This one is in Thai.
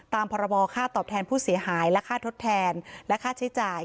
พรบค่าตอบแทนผู้เสียหายและค่าทดแทนและค่าใช้จ่าย